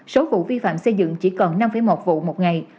số vụ vi phạm xây dựng chỉ còn năm một vụ một ngày